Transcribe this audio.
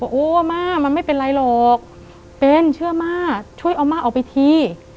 โอ้ม่ามันไม่เป็นไรหรอกเป็นเชื่อม่าช่วยเอาม่าออกไปที